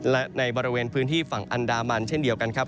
และในบริเวณพื้นที่ฝั่งอันดามันเช่นเดียวกันครับ